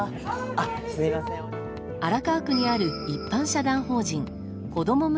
荒川区にある一般社団法人子ども村